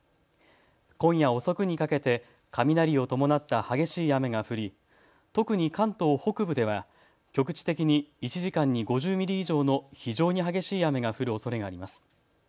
今夜遅くにかけて雷を伴った激しい雨が降り特に関東北部では局地的に１時間に５０ミリ以上の非常に激しい雨が降るおそれがあります。